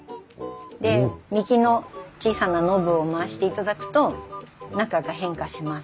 で右の小さなノブを回していただくと中が変化します。